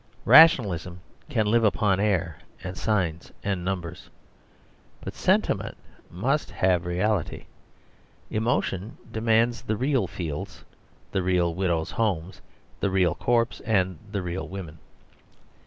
Rationalism can live upon air and signs and numbers. But sentiment must have reality; emotion demands the real fields, the real widows' homes, the real corpse, and the real woman.